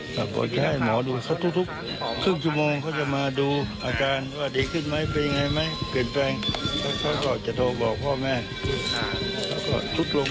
แต่พอจะให้หมอดูสักทุกสิ้นชั่วโมงเขาจะมาดูอาการว่าดีขึ้นไหมไปไหนไหมเกินแปลงเขาก็จะโทรบอกพ่อแม่แล้วก็ทุดลงทุดลง